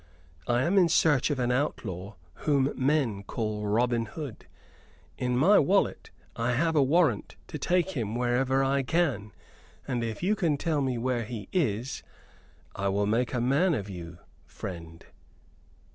I am in search of an outlaw whom men call Robin Hood. In my wallet I have a warrant to take him wherever I can; and if you can tell me where he is I will make a man of you, friend."